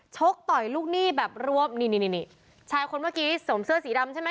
ชกต่อยลูกหนี้แบบรวมนี่นี่ชายคนเมื่อกี้สวมเสื้อสีดำใช่ไหม